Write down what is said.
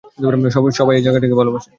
সবাই এই জায়গাটাকে ভালোবাসে।